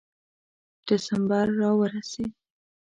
ډسمبر را ورسېد.